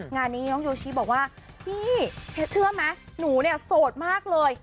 งานนี้น้องโยชิบอกว่าพี่เพชรเชื่อไหมหนูเนี่ยโสดมากเลย